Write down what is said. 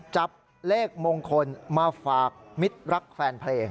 จับเลขมงคลมาฝากมิตรรักแฟนเพลง